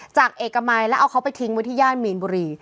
เอกมัยแล้วเอาเขาไปทิ้งไว้ที่ย่านมีนบุรี